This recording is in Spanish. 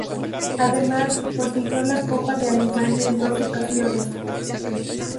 Además consiguió la Copa de Alemania en dos ocasiones.